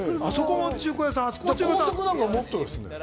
高速なんかもっとですね。